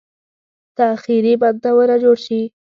تاخیري بندونه جوړ شي.